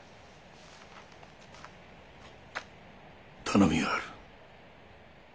頼みがある。